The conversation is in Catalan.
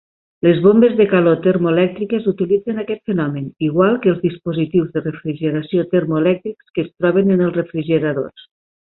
Les bombes de calor termoelèctriques utilitzen aquest fenomen, igual que els dispositius de refrigeració termoelèctrics que es troben en els refrigeradors.